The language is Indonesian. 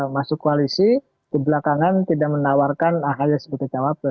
masuk koalisi kebelakangan tidak menawarkan ahaya seperti jawabnya